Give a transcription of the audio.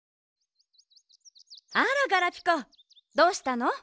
あらガラピコどうしたの？